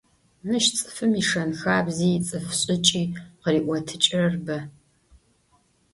Мыщ цӏыфым ишэн - хабзи, ицӏыф шӏыкӏи къыриӏотыкӏрэр бэ.